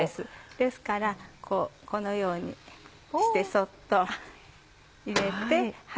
ですからこのようにしてそっと入れて。